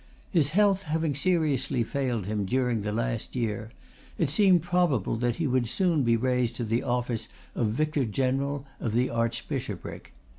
His health having seriously failed him during the last year, it seemed probable that he would soon be raised to the office of vicar general of the archbishopric.